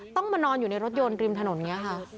ต้องมานอนอยู่ในรถยนต์ริมถนนอย่างนี้ค่ะ